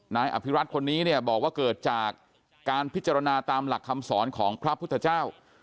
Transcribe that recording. นายอภิรัตคนนี้เนี่ยบอกว่าเกิดจากการพิจารณาตามหลักคำสอนของพระพุทธเจ้า